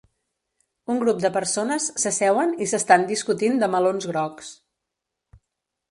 Un grup de persones s'asseuen i s'estan discutint de melons grocs